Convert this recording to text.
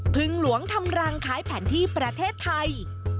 พึงหลวงธรรมรังคล้ายแผนที่ประเทศไทย